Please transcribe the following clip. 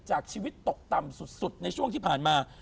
จากชีวิตตกต่ำสุดในช่วงที่ผ่านมา